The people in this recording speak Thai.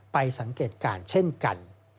สังเกตการณ์เช่นกัน